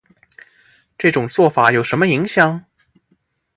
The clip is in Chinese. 这种做法有什么影响